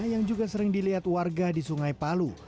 yang juga sering dilihat warga di sungai palu